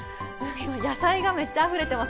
野菜がめっちゃ溢れてます。